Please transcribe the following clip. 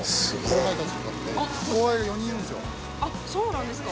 あっそうなんですか。